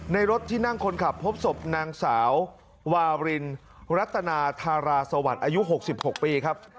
รถที่นั่งคนขับพบศพนางสาววารินรัตนาธาราสวรรค์อายุ๖๖ปีครับ